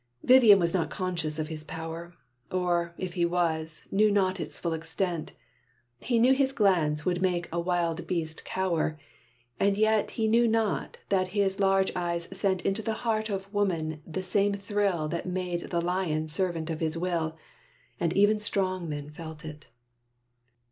Vivian was not conscious of his power: Or, if he was, knew not its full extent. He knew his glance would make a wild beast cower, And yet he knew not that his large eyes sent Into the heart of woman the same thrill That made the lion servant of his will. And even strong men felt it.